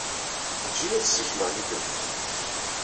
Eǧǧ-iyi ad ssikleɣ yid-m.